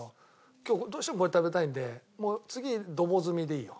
今日どうしてもこれ食べたいんでもう次ドボ純でいいよ。